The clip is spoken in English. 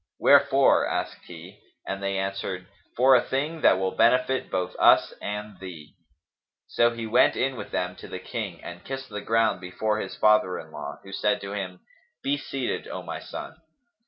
"Wherefore?" asked he, and they answered, "For a thing that will benefit both us and thee." So he went in with them to the King and kissed the ground before his father in law who said to him, "Be seated, O my son!"